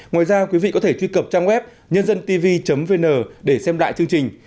ngoài ra quý vị có thể truy cập trang web nhândântv vn để xem lại chương trình